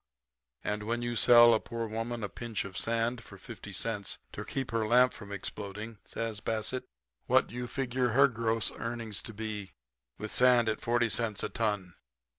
"'And when you sell a poor woman a pinch of sand for fifty cents to keep her lamp from exploding,' says Bassett, 'what do you figure her gross earnings to be, with sand at forty cents a ton?'